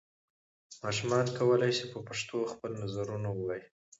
ماشوم کولای سي په پښتو خپل نظر ووايي.